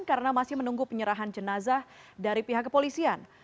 karena masih menunggu penyerahan jenazah dari pihak kepolisian